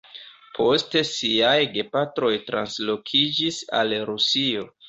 Poste ŝiaj gepatroj translokiĝis al Rusio.